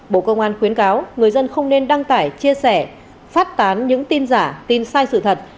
bộ công an khuyến cáo người dân không nên đăng tải chia sẻ phát tán những tin giả tin sai sự thật